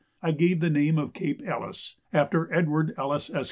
I gave the name of Cape Ellice, after Edward Ellice, Esq.